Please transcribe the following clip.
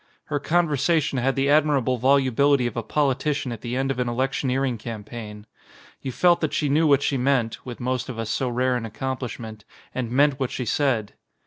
Her conversation had the admirable volubility of a politician at the end of an electioneering cam paign. You felt that she knew what she meant (with most of us so rare an accomplishment) and meant what she said.